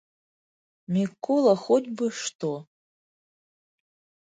Мікола хоць бы што!